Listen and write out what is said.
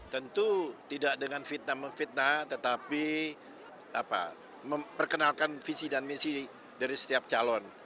tentu tidak dengan fitnah memfitnah tetapi memperkenalkan visi dan misi dari setiap calon